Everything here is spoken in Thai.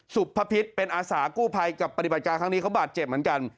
สุภพิษเป็นอาสากู้ภัยกับปฏิบัติการครั้งนี้เขาบาดเจ็บเหมือนกัน